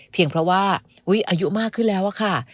เพียงเพราะว่าอายุมากขึ้นแล้วค่ะ